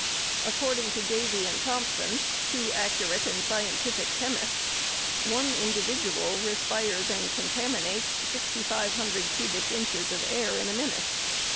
According to Davy and Thompson, two accurate and scientific chemists, one indi vidual respires and contaminates 6,500 cubic inches of air in a minuto.